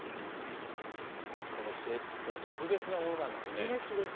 この制服は特別なものなんですね。